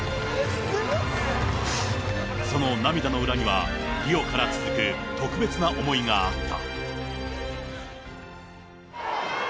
その涙の裏には、リオから続く特別な思いがあった。